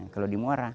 kalau di muara